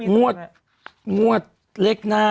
งวดเลขหน้า